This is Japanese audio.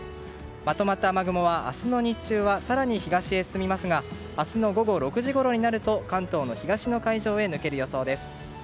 まとまった雨雲は明日の日中は更に東へ進みますが明日の午後６時ごろになると関東の東の海上へ抜ける予想です。